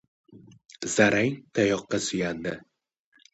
Zarang tayoqqa suyandi.